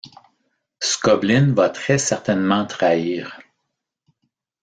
Skobline va très certainement trahir.